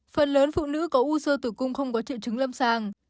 phần lớn phụ nữ có u sơ tử cung không có triệu chứng lâm sàng